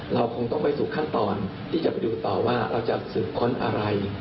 เราคงต้องไปสู่ขั้นตอนที่จะไปดูต่อว่าเราจะสืบค้นอะไร